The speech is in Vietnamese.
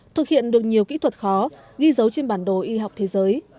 thực hiện được nhiều kỹ thuật khó ghi dấu trên bản đồ y học thế giới